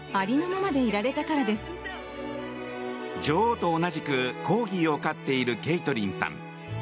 女王と同じくコーギーを飼っているケイトリンさん。